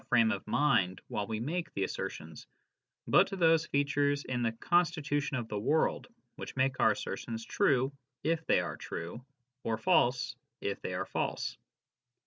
frame of mind while we make the assertions, but to those features in the constitution of the world which make our assertions true (if they are true) or false (if they are false).